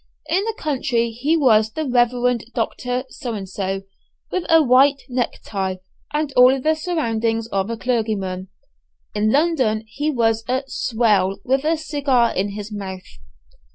In the country he was the Reverend Dr. So and So, with a white neck tie and all the surroundings of a clergyman. In London he was a "swell," with a cigar in his mouth.